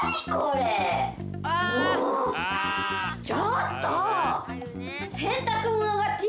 ちょっと！